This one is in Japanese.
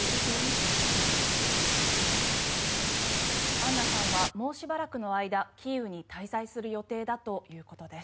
アンナさんはもうしばらくの間キーウに滞在する予定だということです。